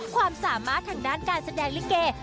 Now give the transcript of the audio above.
ความสามารถทางด้านการแสดงลิเก